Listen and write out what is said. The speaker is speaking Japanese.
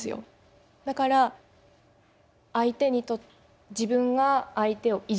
だから相手に自分が相手をいじった。